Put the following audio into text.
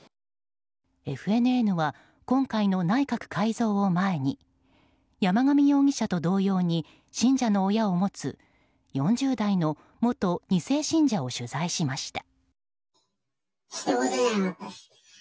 ＦＮＮは、今回の内閣改造を前に山上容疑者と同様に信者の親を持つ４０代の元２世信者を取材しました。